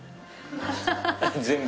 全部。